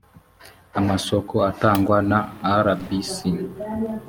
amasoko atangwa na rbc